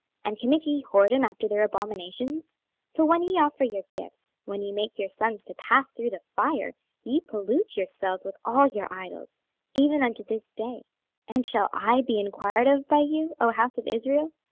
and commit ye whoredom after their abominations? 26:020:031 For when ye offer your gifts, when ye make your sons to pass through the fire, ye pollute yourselves with all your idols, even unto this day: and shall I be enquired of by you, O house of Israel?